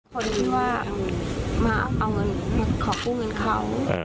คนที่ว่ามาเอาเงินมาขอกู้เงินเขา